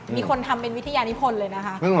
มีคนทำเป็นวิทยานิพลเลยนะคะ